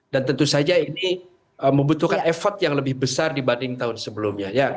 tentu saja ini membutuhkan effort yang lebih besar dibanding tahun sebelumnya